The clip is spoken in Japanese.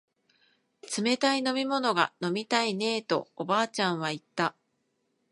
冷たい飲み物が飲みたいねえとおばあちゃんは言った